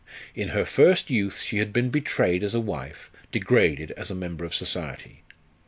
In her first youth she had been betrayed as a wife, degraded as a member of society.